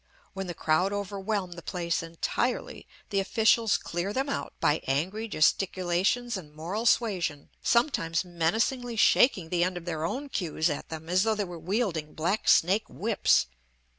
When the crowd overwhelm the place entirely, the officials clear them out by angry gesticulations and moral suasion, sometimes menacingly shaking the end of their own queues at them as though they were wielding black snake whips.